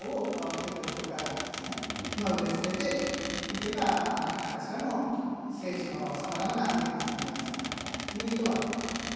旧統一教会側のを植えつけていけば何かしらの政治の様々な案件につなげやすくなるという意図はあると思いますね。